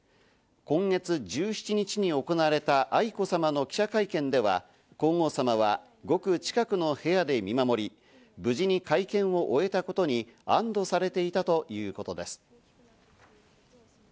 今月１７日に行われた愛子さまの記者会見では、皇后さまは、ごく近くの部屋で見守り、無事に会見を終えたことに安堵されていたということです。